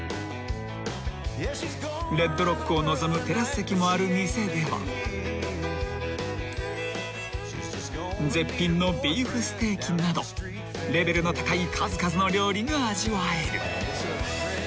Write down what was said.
［レッドロックを臨むテラス席もある店では絶品のビーフステーキなどレベルの高い数々の料理が味わえる］